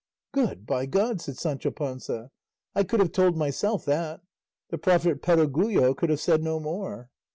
"Good, by God!" said Sancho Panza; "I could have told myself that; the prophet Perogrullo could have said no more."